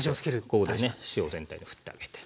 ここでね塩を全体にふってあげて。